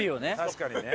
確かにね。